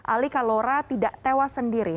ali kalora tidak tewas sendiri